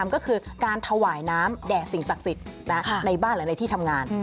ก็คือการถวายน้ำแด่สิ่งศักดิ์สิทธิ์ในบ้านหรือในที่ทำงาน